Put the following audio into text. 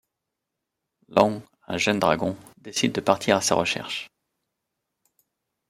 Lóng, un jeune dragon, décide de partir à sa recherche.